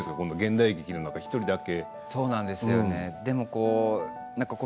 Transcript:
現代劇の中、１人だけ。